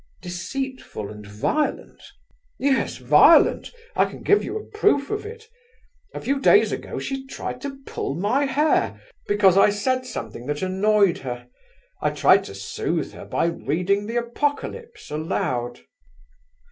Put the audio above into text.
"Deceitful and violent?" "Yes, violent. I can give you a proof of it. A few days ago she tried to pull my hair because I said something that annoyed her. I tried to soothe her by reading the Apocalypse aloud."